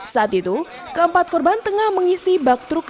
saat itu keempat korban tengah mengisi bak truk